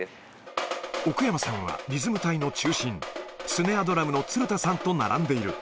奥山さんはリズム隊の中心、スネアドラムの鶴田さんと並んでいる。